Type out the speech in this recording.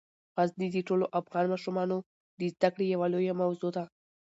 غزني د ټولو افغان ماشومانو د زده کړې یوه لویه موضوع ده.